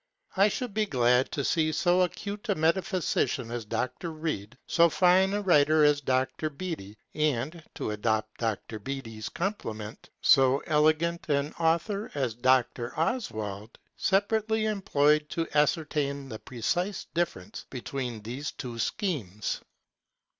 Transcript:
I should be glad to see so acute a metaphysician as Dr. Reid, so fine a writer as Dr. Beattie, and, to adopt Dr. Beattie's compliment, so elegant an author as Dr. Oswald separately employed to ascertain the precise difference between these two schemes.